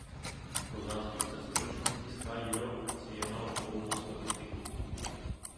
Pro zástupce společnosti SkyEurope se jednalo o pouhou statistiku.